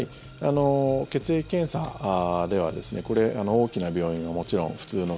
血液検査では大きな病院はもちろん普通の。